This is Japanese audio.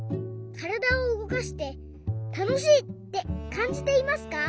からだをうごかしてたのしいってかんじていますか？